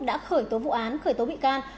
đã khởi tố vụ án khởi tố bị can